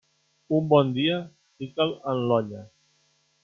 Un bon dia, fica'l en l'olla.